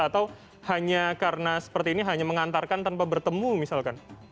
atau hanya karena seperti ini hanya mengantarkan tanpa bertemu misalkan